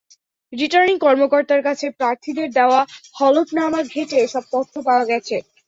Returning কর্মকর্তার কাছে প্রার্থীদের দেওয়া হলফনামা ঘেঁটে এসব তথ্য পাওয়া গেছে।